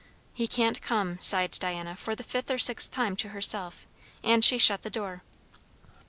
"He can't come," sighed Diana for the fifth or sixth time to herself; and she shut the door.